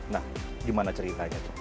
nah gimana ceritanya